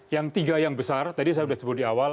yang tiga yang besar tadi saya sudah sebut di awal